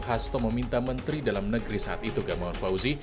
hasto meminta menteri dalam negeri saat itu gamawan fauzi